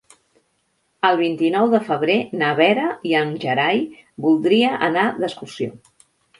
El vint-i-nou de febrer na Vera i en Gerai voldria anar d'excursió.